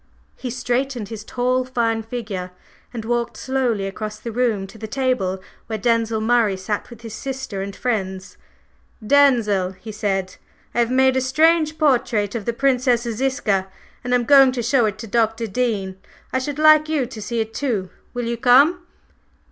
He straightened his tall, fine figure and walked slowly across the room to the table where Denzil Murray sat with his sister and friends. "Denzil," he said, "I have made a strange portrait of the Princess Ziska, and I'm going to show it to Dr. Dean. I should like you to see it too. Will you come?"